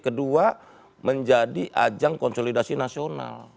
kedua menjadi ajang konsolidasi nasional